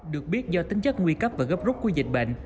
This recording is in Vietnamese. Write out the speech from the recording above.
được biết do tính chất nguy cấp và gấp rút của dịch bệnh